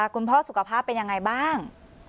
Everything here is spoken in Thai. คุณพ่อสุขภาพเป็นยังไงบ้าง